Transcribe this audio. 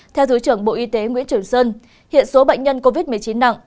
theo thứ trưởng bộ y tế nguyễn trường sơn hiện số bệnh nhân covid một mươi chín nặng